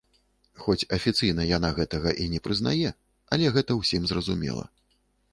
Хоць афіцыйна яна гэтага і не прызнае, але гэта ўсім зразумела.